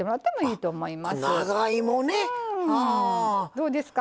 どうですか？